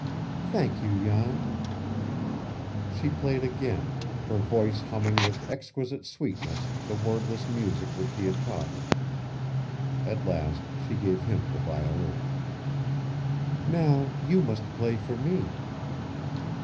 "Thank you, Jan." She played again, her voice humming with exquisite sweetness the wordless music which he had taught her. At last she gave him the violin. "Now you must play for me."